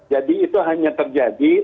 jadi itu hanya terjadi